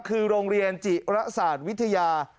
คือโรงเรียนจิระศาสตร์วิทยา